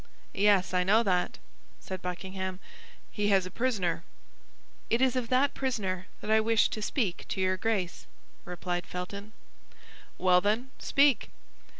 "Yes, I know that," said Buckingham; "he has a prisoner." "It is of that prisoner that I wish to speak to your Grace," replied Felton. "Well, then, speak!"